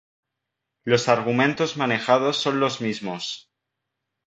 Los argumentos manejados son los mismos.